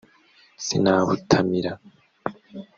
sinabutamira